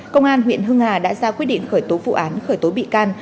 công an huyện hưng hà đã ra quyết định khởi tố vụ án khởi tố bị can